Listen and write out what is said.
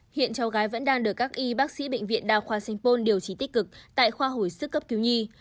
hiện cháu gái vẫn đang được các y bác sĩ bệnh viện đa khoa sanh pôn điều trị tích cực tại khoa hồi sức cấp cứu nhi